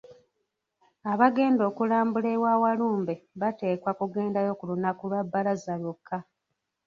Abagenda okulambula ewa Walumbe bateekwa kugendayo ku lunaku lwa bbalaza lwokka.